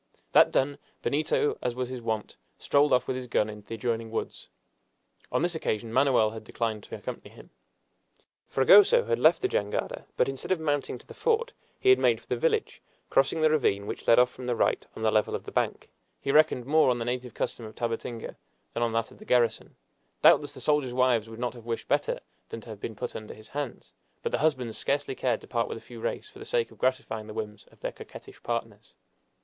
That done, Benito, as was his wont, strolled off with his gun into the adjoining woods. On this occasion Manoel had declined to accompany him. Fragoso had left the jangada, but instead of mounting to the fort he had made for the village, crossing the ravine which led off from the right on the level of the bank. He reckoned more on the native custom of Tabatinga than on that of the garrison. Doubtless the soldiers' wives would not have wished better than to have been put under his hands, but the husbands scarcely cared to part with a few reis for the sake of gratifying the whims of their coquettish partners.